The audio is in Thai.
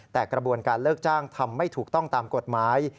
แต่กระบวนการเลิกจ้างทำไม่ถูกต้องตามกฎหมาย